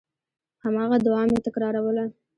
هماغه دعا مې تکراروله.